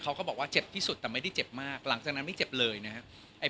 เขาก็บอกว่าเจ็บที่สุดแต่ไม่ได้เจ็บมากหลังจากนั้นไม่เจ็บเลยนะครับ